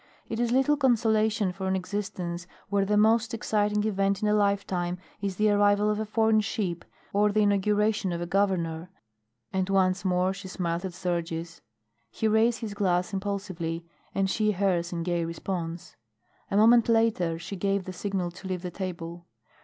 It is little consolation for an existence where the most exciting event in a lifetime is the arrival of a foreign ship or the inauguration of a governor." And once more she smiled at Sturgis. He raised his glass impulsively, and she hers in gay response. A moment later she gave the signal to leave the table.